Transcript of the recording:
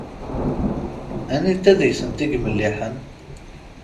Anita deg-sent i imelliḥen?